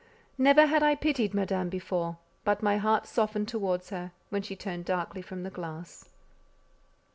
Never had I pitied Madame before, but my heart softened towards her, when she turned darkly from the glass.